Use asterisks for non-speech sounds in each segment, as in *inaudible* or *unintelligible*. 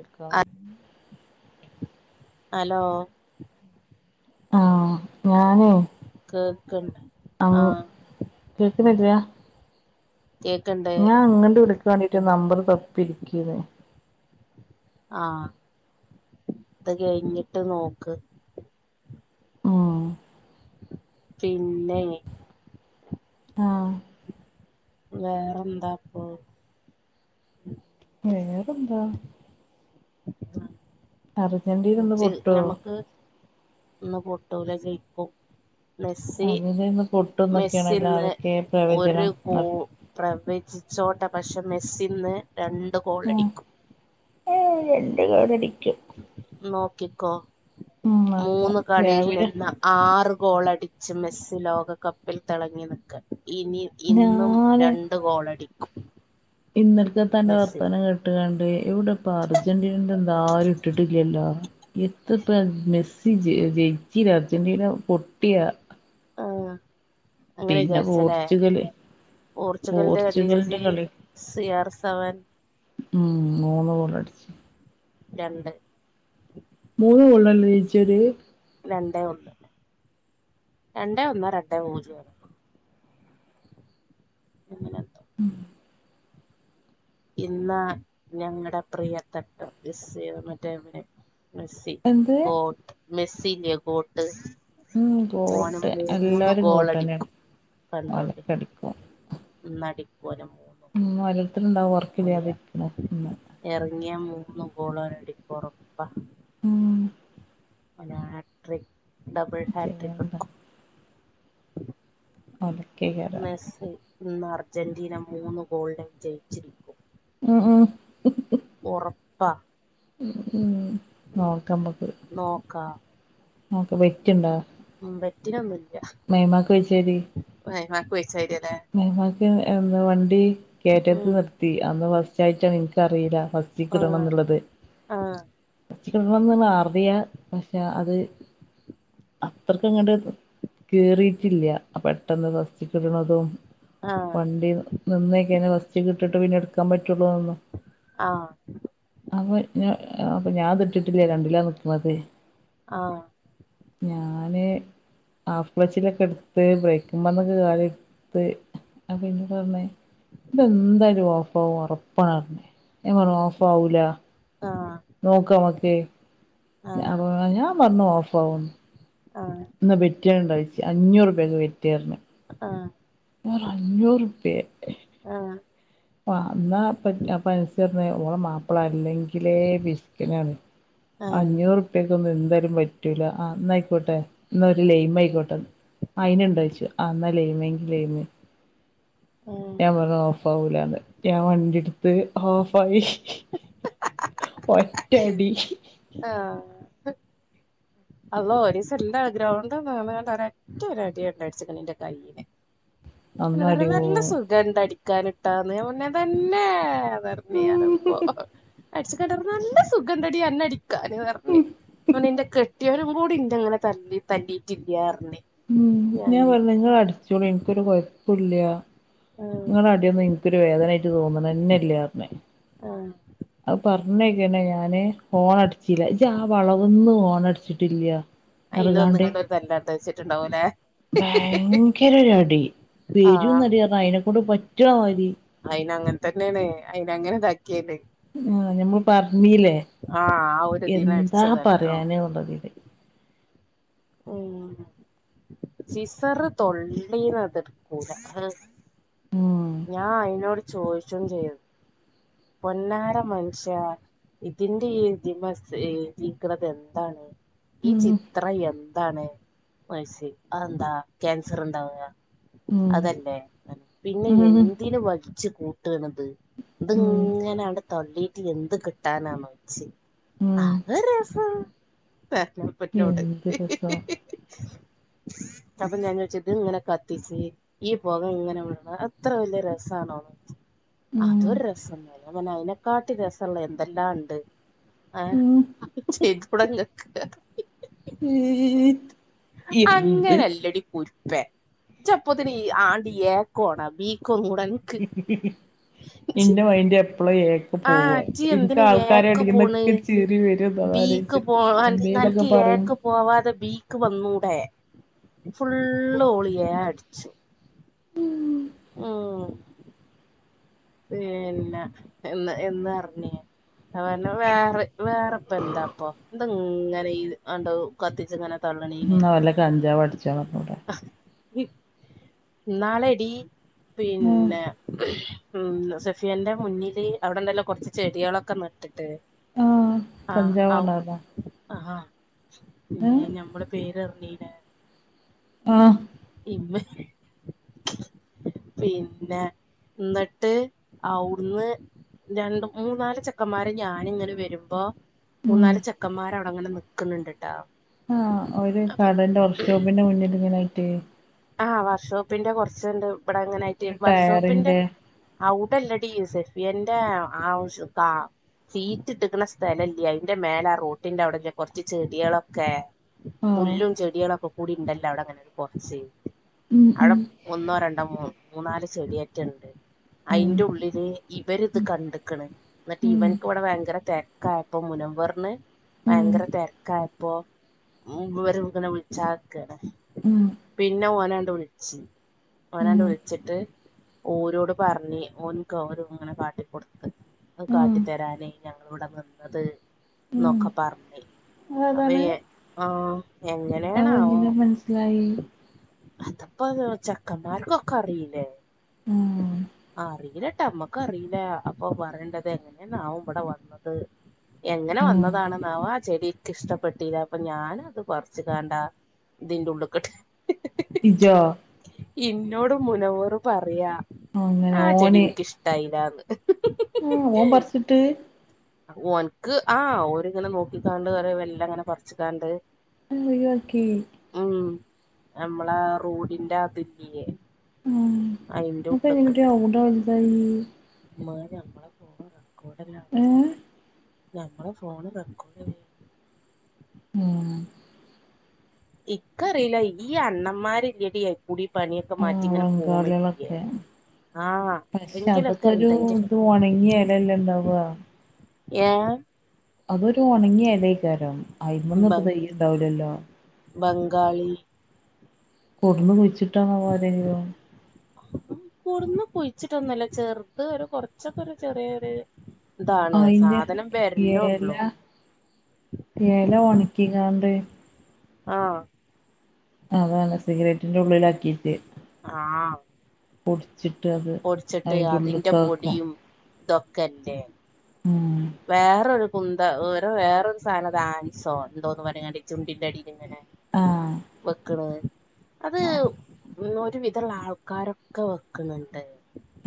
ഇട്ക്കാൻ hello ആഹ് ഞാനേ കേക്കണ്ട് ആഹ് കേൾക്ണില്ല കേക്ക്ണ്ട് ഞാൻ അങ്ങട്ട് വിളിക്ക വേണ്ടിട്ട് നമ്പർ തപ്പി ഇരിക്കേന് ആഹ് ഇത് കഴിഞ്ഞിട്ട് നോക്ക് ഉം പിന്നെ ആഹ് വേറെ എന്താപ്പോ വേറെ എന്താ അർജന്റീന ഇന്ന് ഇജ്ജ് പൊട്ടോ ഞമ്മക്ക് ഇന്ന് പൊട്ടുല്ല ജയിക്കും മെസ്സി അർജന്റീന ഇന്ന് പൊട്ടുന്നൊക്കെയാണല്ലോ മെസ്സിന്ന് ആരൊക്കെ ഒരു പ്രവചനം ഗോ നട പ്രവചിച്ചോട്ടെ പക്ഷെ മെസ്സിന്ന് രണ്ട് ഗോൾ അടിക്കും. ഏ രണ്ട് ഗോൾ അടിക്കും നോക്കിക്കോ ഉം ഓക്കെ മൂന്ന് കളിയിൽ രാവിലെ നിന്ന ആറ് ഗോളടിച്ച് മെസ്സി ലോകകപ്പിൽ തിളങ്ങി നിക്ക ഇനി ഇന്നും ഞാനെ രണ്ട് ഗോളടിക്കും ഇന്നലക്കത്തെ അന്റെ മെസ്സി വർത്തനം കേട്ട് ഇട്ട്ങ്ങാട് ഇവിടെപ്പോ അർജന്റീനന്റെ എന്താ ആരും ഇട്ടിട്ടില്ലല്ലോ എത്തപ്പ മെസ്സി ജ ജയിച്ചില്ല അർജന്റീന പൊട്ടിയാ ആഹ് അങ്ങനെ പിന്നെ വിചാരിച്ചല്ലേ പോർച്ചുഗല് പോർച്ചുഗലിന്റെ കണ്ടില്ലേ ഇജ്ജ് സി ആർ സെവൻ ഉം മൂന്ന് ഡോളടിച്ച് രണ്ട് മൂന്ന് ഗോളിലല്ലേ ജയിച്ചത് രണ്ടേ ഒന്ന് രണ്ടേ ഒന്നോ രണ്ടേ പൂജ്യാണ് എങനെ ഉം ഇന്നാ ഞങ്ങടെ പ്രിയപ്പെട്ട ജെസ്സി മറ്റേ മെസ്സി എന്ത് ഗോട്ട് മെസ്സി ഇല്ലേ ഗോട്ട് ഉം ഓന് ഗോട്ട് മൂന്ന് എല്ലാവരും ഗോട്ട് തന്നെ ഗോളടിക്കും ഒലക്കടിക്കും ഇന്ന് അടികൊരം മൂന്ന് ഉം ഗോൾ ഓരോര്ത്തല് ഇണ്ടാവും ഓർക്കില്ലാതെ ഓയാ ഇരിക്ക്ണ് ഇന്ന് എറങ്ങിയ മൂന്ന് ഗോളടിക്കും ഉറപ്പ് പ ഉം അല്ല ഹാട്രിക് ഡബിൾ ഹാട്രിക് ചെയ്യണ്ട പതുക്കെ കേറും സ്സ് ഇന്ന് അർജന്റീന മൂന്ന് ഗോളിനെ വിജയിച്ച് ഉം ഉം ഉറപ്പാ ഉം ഉം ഉം നോക്കാം നമ്മക്ക് നോക്കാ നോക്കാ ബെറ്റ്ണ്ടോ ഉം ബെറ്റിനൊന്നുള്ള മേമാക്ക് വെച്ചേര് മേമാക്ക് വയസ്സായിട്ടില്ലെ മേമ്മാക്ക് എന്താ വണ്ടി കയറ്റത്ത് ഉം നിർത്തി അന്ന് ഫസ്റ്റ് ആയിട്ടാ എനിക്ക്റിയില്ല ഫസ്റ്റ് റ്റക്ക് ഇടണം ആഹ് എന്നുള്ളത് ആഹ് ഫസ്റ്റിക് യ്ക്ക് ഇടണന്ന് അറിയാം പക്ഷെ അത് അത്രക്ക് അങ്ങോട്ട് കേറിട്ടില്ല പെട്ടെന്ന് ഫസ്റ്റ്ക്ക് ഇടുന്നതും ആഹ് വണ്ടി നിന്നേക്കനെ ഫസ്റ്റ്ക്ക് ഇട്ടിട്ട് പിന്നെ എടുക്കാൻ പറ്റുള്ളുന്ന് അപ്പോ ഞ ഞാൻ അപ്പോ ഞാനതിട്ടിട്ടില്ല രണ്ടിലാ നിക്കണത് ആഹ് ഞാന് ഹാഫ് ക്ലച്ചിലെക്കെ എടുത്ത് ബ്രേക്ക്മേന്നൊക്കെ കാലെ എടുത്ത് ആഹ് പിന്നയെന്താ പറഞ്ഞേ ഇതെന്തായാലും ഓഫാവും ഉറപ്പാണന്നെ ഞാൻ പറഞ്ഞ് ഓഫ് ആവൂല ആഹ് നോക്കാം നമ്മുക്ക് ആഹ് അപ്പോ ഞാൻ പറഞ്ഞു ഓഫ് ആകുന്നു ആഹ് നിങ്ങള് ബെറ്റിനുണ്ടോ ചോദിച്ചു അഞ്ഞൂറ് രൂപാക്ക് ബെറ്റ് പറഞ്ഞു ആഹ് അഞ്ഞൂറ് റുപ്പിയെ ആഹ് അന്ന പൈസ തരുന്ന ഓളെ മാപ്പിള അല്ലെങ്കിൽ ഇതിലെ പിശുക്കനാണ് ആഹ് അഞ്ഞൂറ് അത്രക്ക് ഒന്നുംന്തായാലും പറ്റൂല ആഹ് അന്നായിക്കോട്ടെ അന്നാ ഒരു ലൈയിം ആയിക്കോട്ടെ അയിന് ഉണ്ടോ ചോദിച്ചു ആഹ് എന്നാ ലൈംമെങ്കിൽ ലൈമ് ആഹ് ഞാൻ പറഞ്ഞ് ഓഫ് ആവൂലാന്ന് ഞാൻ വണ്ടി എടുത്ത് ഓഫ് ആയി ഒറ്റടി ആഹ് അള്ളോ ഒരു ദിവസം ന്റ ഗ്രൗണ്ട്ന്ന് ഒരറ്റ ഒരു അടിയണ്ടടിച്ച് എന്റെ കയ്യിക്കൂ അന്നടി നല്ല ഓഹ് സുഖം ഇണ്ട് അടിക്കാനിട്ടാന്ന് ഞാൻ പറഞ്ഞ് അങ്ങനെ തന്നെ പറഞ്ഞതാണിപ്പോ അടിച്ചടുത്തു തന്നെ സുഖമുണ്ടടി അന്നെ അടി ക്കാന് പറഞ്ഞ് എന്റെ കെട്ടിയവനും കൂടി ന്റെ ഇങ്ങനെ തല്ലി തല്ലിയിട്ടില്ല പറഞ്ഞി ഉം ഞാൻ പറഞ്ഞ് നിങ്ങള് അടിച്ചോളിൻ എനിക്കൊരു കൊഴപ്പവുമില്ല ആഹ് നിങ്ങടെ അടിയൊന്നും എനിക്കൊരു വേദന ആയിട്ട് തോന്നണന്നില്ല എന്ന് പറഞ് ആഹ് അത് പറഞ്ഞിങ്ങനെ ഞാന് ഓണടിച്ചില്ല ആഹ് വളവൊന്നും ഓണടിച്ചിട്ടില്ല അയിന് പറഞ്ഞുകാണ്ട് വന്ന്ങ്ങാണ്ട് ഒരു തല്ലാട്ട വെച്ചിട്ടുണ്ടാവൂലേ ഭയങ്കര ഒരു അടി പെരും ആഹ് അടിന്ന് പറഞ്ഞാ അയിനെക്കൊണ്ട് പറ്റ്ണ മാതിരി അയിന് അങ്ങനെ തന്നെയാണ് അയിന് അങ്ങനെതാക്കിയാല് ആഹ് ഞമ്മള് പറഞ്ഞീലേ ആഹ് ആ ഒരുതിന് എന്താ അടിച്ചതാണ് ആഹ് പറയാന് ഉള്ളത് ഉം സിസറ് തൊള്ളീന്ന് ആത് എട്ക്കൂല ഉം ഞാൻ അയിനോട് ചോയ്ച്ചും ചെയ്തു പൊന്നാര മനുഷ്യാ ഇതിന്റെ ഈ ഇതിമ്മ എഴുതീക്ണത് എന്താണ് ഈ ഉം ചിത്രം എന്താണ് മാസി അതെന്താ ക്യാൻസർ ഇണ്ടാവ ഉം അതല്ലേ പിന്നെ ഉം എന്തിന് വലിച്ച് കൂട്ടാണിത് ഇത് ഉം ഇങ്ങനെ ആണ്ട് തള്ളിയിട്ട് എന്ത് കിട്ടാനാ ച്ചി ഉം അത് ഒര് രസം പറഞ്ഞപ്പം ഇന്നോട് എന്ത് രസം അപ്പൊ ഞാൻ ചോയ്ച്ച് ഇത് ഇങ്ങനെ കത്തിച്ച് ഈ പൊക ഇങ്ങനെ വിട്ണ ഇത്ര വലിയ രസാണോ ഉം അതൊരു രസംന്ന് പറഞ്ഞ് ഞാൻ പറഞ്ഞ് അയിനക്കാട്ടി രസള്ള എന്തെല്ലാം ഇണ്ട് ഏഹ് ഉം ചെയ്തൂടെ ഇങ്ങക്ക്ന്ന് പറഞ്ഞ് *unintelligible* എന്ത് അങ്ങനെല്ലടി കുരുപ്പേ ഇജ് അപ്പോത്തിനെ ആണ്ട ഏ ക്കോണ ബി ഇജ്ജ് ഇന്റെ മൈൻഡ് എപ്പളും എ ആഹ് പോവാ ഇജ്ജ് എനിക്ക് എന്തിനാ ആൾക്കാരെ ഏക്ക് പോണ് അടിക്കുമ്പോക്കെ ചിരി വരുവാ *unintelligible* ബീക്ക് ആലോയ്ച്ചിട്ട് പോവാൻ എന്തെലൊക്കെ അനക്ക് പറയും ഏക്ക് പോവാതെ ബീക്ക് വന്നൂടെ ഫുള്ള് ഓള് എ അടിച്ചും ഉം പിന്നെ എന്ന് എന്ന അറ്ഞ്ഞ് വേറെ വേറെപ്പ എന്താപ്പൊ ഇത് ഇങ്ങനെ ആണ്ട് കത്തിച്ച് ഇങ്ങനെ തള്ളണീന് ഉം വല്ല കഞ്ചാവ് അടിചാളാ ഇന്നാളെ ടീ ഉം പിന്നെ ഉം സഫിയന്റെ മുന്നില് അവിടെ ഇണ്ടെല്ല കുറച്ച് ചെടികളൊക്കെ നട്ടിട്ട് ആഹ് ആഹ് അവ് കഞ്ചാവാണാർന്നോ ആ ഏഹ് ഞമ്മള് പേര് പറഞ്ഞ് ആ ഇമ്മെ പിന്നെ ഇന്നിട്ട് അവ്ടുന്ന് രണ്ട് മൂന്നാല് ചെക്കന്മാര് ഞാനിങ്ങനെ വരുമ്പോ ഉം മൂന്നാല് ചെക്കന്മാര് അവടെങ്ങനെ നിക്ക്‌ണ് ണ്ട്ട്ടാ ആ ഒരു കടന്റെ വർക്ക്ഷോപ്പിന്റെ മുന്നിൽ ഇങ്ങനെ ആയിട്ട് ആഹ് വർക്ക്ഷോപ്പിന്റെ കൊറ്ച്ച്ണ്ട് ഇവിടെ ഇങ്ങനായിട്ട് ഒരു വർക്ക്ഷോപ്പിന്റെ ടയറിന്റെ അവുടെ അല്ലെടി സഫിയന്റെ ആ വശത്താ സീറ്റ് ഇട്ട്ക്ക്‌ണ സ്ഥലം ഇല്ലേ അതിന്റെ മേലെ റോട്ടിന്റെ അവിടെ ഇല്ലേ കുറച്ച് ചെടികളൊക്കെ ആഹ് പുല്ലും ചെടികളും ഒക്കെ കൂടി ഉണ്ടല്ലോ അവിടെ അങ്ങനെ കൊറച്ച് ഉം ഉം ഒന്നോ രണ്ടോ മൂന്ന് മൂന്നാല് ചെടിയേറ്റ ഇണ്ട് ഉം അയിന്റെ ഉള്ളില് ഇവര് ഇത് കണ്ട്ക്ണ് എന്നിട്ട് ഉം ഇവന്ക്ക് ഇവിടെ ഭയങ്കര തെ ആയപ്പൊ മുനവ്വറിന് ഉം ഭയങ്കര തെര് കയപ്പോ ഇവര് ഇങ്ങനെ വിളിച്ചാതെക്കാണ് ഉം പിന്നെ ഓനാണ്ട് വിളിച്ച് ഓനാണ്ട് ഉം വിളിച്ചിട്ട് ഓരോട് പറഞ്ഞ് ഓൻക് ഓര് ഇങ്ങനെ കാട്ടിക്കൊടുത്തത് ഇത് ഉം കാട്ടിത്തരാനേയ് ഞങ്ങള് ഇവിടെ നിന്നത് ഉം നൊക്കെ പറഞ്ഞ് അപ്പ ഈ ആ *unintelligible* അത് എങ്ങനെ മനസ്സിലായി അത്പ്പ ചെക്കന്മാർക്കൊക്കെ അറീല്ലേ ഉം ആ അറീലട്ട മ്മക്ക്‌ ക്കറിയില്ല അപ്പൊ പറയേണ്ടത് എങ്ങനേന്നാവും ഇവിടെ വന്നത് എങ്ങനെ ഉം വന്നതാണ്ന്നാവോ ആ ചെടിക്ക് ഇഷ്ടപ്പെട്ടില്ല അപ്പൊ ഞാനത് പറിച്ച് കണ്ടാ ഇതിന്റെ ഉള്ളക്കെട്ട് ഇജ്ജോ ഇന്നോട് മുനവ്വറ് പറയാ അങ്ങനെ ആ ചെടി ഓന് എനിക്ക്ഷ്ടായില്ലാന്ന് ആ ഓൻ പറിച്ചിട്ട് ഓന്ക്ക് ആ ഓരിങ്ങനെ നോക്കിക്കാണ്ട് ഒറെ വെല്ല ഇങ്ങനെ പറച്ചിക്കാണ്ട് മ്മ്ഹ് ഒയിവാക്കി ഉം നമ്മള റോഡിന്റെ അതിരില്ലേ ഉം അപ്പങെനെടി അവ്ടെ വല്തായി *unintelligible* മ്മ്ഹ് ഞമ്മളെ ഫോണ് റെക്കോർഡല്ലാ ഏ ഞമ്മളെ ഫോണ് റെക്കോർഡാണ് ഉം ഇക്കറിയില്ല ഈ അണ്ണന്മാരില്ലടി കുടി പണിയൊക്കെ ആ മാറ്റി ഇങ്ങനെ പോണ്ലേ ബംഗാളികളൊക്കെ ആഹ് പക്ഷെ ആരെങ്കിലൊക്കെ അതൊക്കെ ഒരു എന്തെങ്കില് ഇത് ഉണങ്ങിയ എലല്യേണ്ടാവാ ഏ അതൊരു ഉണങ്ങിയ എല യികരം ആയിമന് ബ തൈ ഉണ്ടാവുലലേ. ബംഗാളി കൊന്ന് കുഴിച്ചിട്ടാണോ പോയതെങ്കിലോ കൊട്ന്ന് കുഴിച്ചിട്ടൊന്നുമല്ല ചെറത് ഒരു കൊറച്ചൊക്കെ ഒരു ചെറിയൊരു ന്താണ് അയിന്റെ സാധനം എല വര്ണോള്ളൂ എല ഒണിക്കിങ്ങാണ്ട്‌ ആഹ് അതാണ് സിഗരറ്റിന്റെ ഉള്ളിലാക്കിട്ട് ആഹ് പൊടിച്ചിട്ട് അത് പൊടിച്ചിട്ട് അയിന്റെ അതിന്റെ ഉള്ള്ക്കാക്കും പൊടിയും ഇതൊക്കെല്ലെ ഉം വേറൊരു കുന്ത ഓരോ വേറൊരു സാനത് ആൻസോ എന്തോന്ന് പറഞ്ഞങ്ങാണ്ടി ചുണ്ടീൻന്റെടി എങ്ങനെ ആഹ് വെക്കണ് അത് ഒരുവിധള്ള ആൾക്കാരൊക്കെ വെക്ക്ണ്ണ്ട്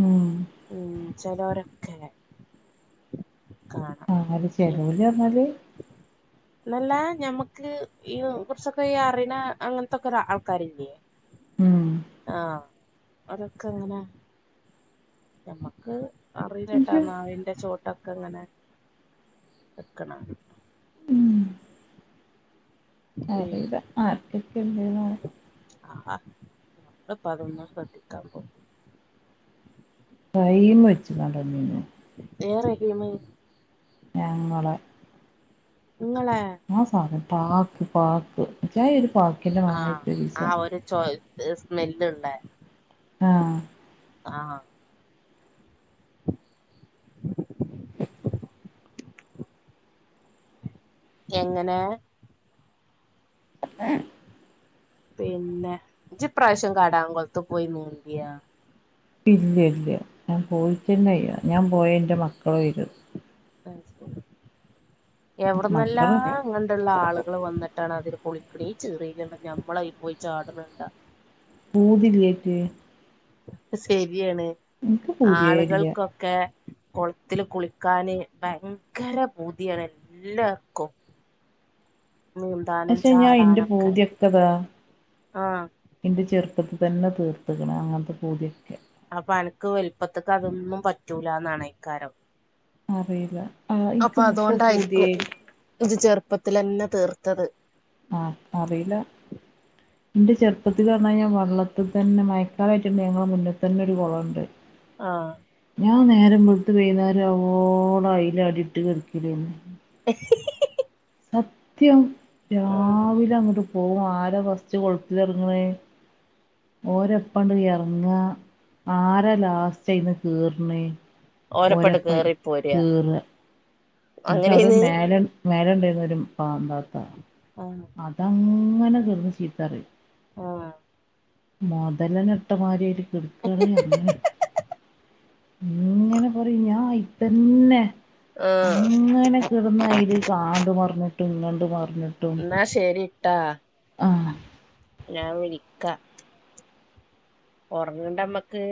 മ്മ്ഹ് മ്മ്ഹ് ചെലോരൊക്കെ ആഹ് ചെലോര്ന്നറഞ്ഞാൽ *inaudible* ന്നല്ല ഞമ്മക്ക് ഈ കുറച്ചൊക്കെ അറിയന അങ്ങനത്തൊക്കോരു ആൾക്കാരില്യേ *inaudible* മ്മ്ഹ് ആഹ് അതൊക്കെങ്ങനെ നമ്മക്ക് ജ്ജ് അറില്ലെട്ടാന്ന *unintelligible* ട്ടക്കങ്ങനെ വെക്കണ പിന്നെ അറീല്ല ആർക്കൊക്കെ ഇണ്ട്‌ന്ന് ആഹ് ഞമ്മളിപ്പതൊന്നും ശ്രദ്ധിക്കാൻ പോ കൈ വെച്ച *unintelligible* എ റഹീമ് ഞങ്ങളെ ങ്ങളെള ആഹ് സാധം പാക്ക് പാക്ക് *unintelligible* ആഹ് മണായിപ്പോയി ഒരീസം ആഹ് ഒരു ചോ സ്മെല്ള്ള ആഹ് ആഹ് *inaudible* യങ്ങനെ *inaudible* പിന്നെ ഇജ്ജ്ഇപ്രാവശ്യം കടാങ്കോളത്ത് പോയി നീന്തിയാാ ഇല്ല ഇല്ല ഞാൻ പോയിണ്ടായില്ല ഞാൻ പോയ എൻ്റെ മക്കള് വരും *unintelligible* മക്കള് യവിടന്നല്ലാം ഇങ്ങണ്ട്ള്ള ആളുകൾ വന്നിട്ട് ട്ടാണ് അതിരു പൊളിക്കണ ഈ ചെറിയയില്ള്ള നമ്മളയി പോയി ചാടണ്ണ്ണ്ട പൂതി ഇലെയിറ്റ് സെരിയാണ് ഇൻക്ക് പൂതിയേ ഇല്ല ആളുകൾക്കൊ ക്കെ കുളത്തില് കുളിക്കാന് ഭയങ്കര പൂതിയാണ് എല്ലാർക്കും ഉം പഷെ ഞാൻ ഇന്റെ പൂതിയക്കാതാ ആഹ് ഇന്റെ ചെറുപ്പത്തി തന്നെ തീർത്തക്കണ അങ്ങനത്തെ പൂതീയൊക്കെ അപ്പൊ എനക്ക് വലുപ്പത്തിക്ക് അതൊന്നും പറ്റൂലന്നാണ് അയിക്കാരം അറിയില്ല ആ അപ്പൊ ഇൻക്ക് ഇപ്പൊ അതോണ്ടായിരിക്കും പൂതിയായിട്ട് ഇജ്ജ് ചെറുപ്പത്തിൽ അന്നെ തീർത്തത് ആഹ് അറിയില *inaudible* ഇന്റെ ചെറുപ്പത്തിൽ പറഞ്ഞ കഴിഞ്ഞാൽ വെള്ളത്തിൽ തന്നെ മഴക്കാലായിട്ടുണ്ട് ഞങ്ങൾ മുന്നിൽ തന്നെ ഒരു കുളംുണ്ട് ആഹ് ഞാൻ നേരം വെളുത്തു വൈന്നേരം അവോളാ അയില അടി ഇട്ട് കിടക്കലന്ന് അ സത്യം ആഹ് രാവിലെ അങ്ങട്ട് പോവും ആര ഫസ്റ്റ് കൊളത്തിലിറങ്ങണേ ഓരപ്പണ്ട് ഇറങ്ങാ ആരാ ലാസ്റ്റ്യിന്ന് കെർണേ ഓരപ്പണ്ട് ഓരപ്പ കേറി പോരാ കേറ എന്നിട്ട് അവിടെ അങ്ങനെന്ന് മേല മേല ഉണ്ടയിരുന്നു ഒരു പാ ഭാത്ത ആഹ് അതങ്ങനെ ചീർന്ന് ചീത്താറിം ആഹ് മൊതലന ഇട്ട മാരി അയിട്ട് കിടക്കാണ് അങ്ങനെ ഇങ്ങനെ പറയും ഞാൻ ഹൈ ത്തന്നെ ആഹ് കിടന്ന അയ്ല് കാണ്ട് മറിഞ്ഞിട്ടും ഇങ്ങണ്ട് മറിഞ്ഞിട്ടും ന്നാ ശരിട്ടാ ആഹ് ഞാൻ വിളിക്ക ഒറങ്ങണ്ടമ്മക്ക്